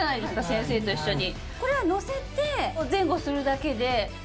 先生と一緒に。